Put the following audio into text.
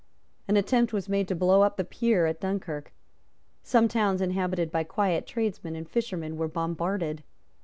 An attempt was made to blow up the pier at Dunkirk. Some towns inhabited by quiet tradesmen and fishermen were bombarded.